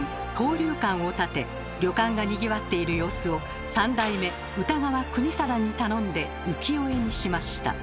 「祷龍館」を建て旅館がにぎわっている様子を三代目歌川国貞に頼んで浮世絵にしました。